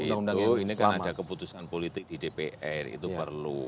itu ini kan ada keputusan politik di dpr itu perlu